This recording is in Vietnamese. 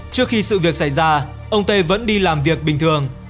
trước khi sự việc xảy ra ông tê vẫn đi làm việc bình thường